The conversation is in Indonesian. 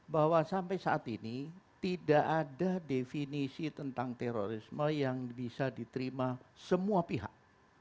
bahwa sampai saat ini tidak ada definisi tentang terorisme yang bisa diterima semua pihak